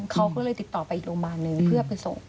เขาก็เลยติดต่อไปอีกโรงพยาบาลนึงเพื่อไปส่ง